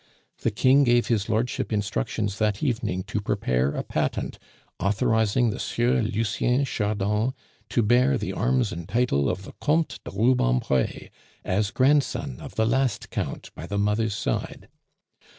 The King gave his lordship instructions that evening to prepare a patent authorizing the Sieur Lucien Chardon to bear the arms and title of the Comtes de Rubempre, as grandson of the last Count by the mother's side.